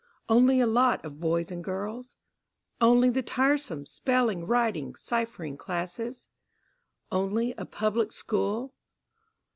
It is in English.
Only a lot of boys and girls? Only the tiresome spelling, writing, ciphering classes? Only a public school?